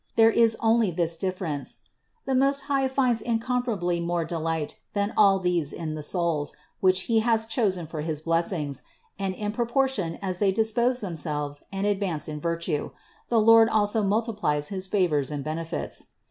There is only this difference: the Most High finds incomparably more delight than all these in the souls, which He has 84 CITY OF GOD chosen for his blessings; and in proportion as they dis pose themselves and advance in virtue, the Lord also multiplies his favors and benefits.